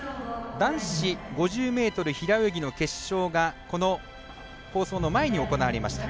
男子５０ｍ平泳ぎの決勝がこの放送の前に行われました。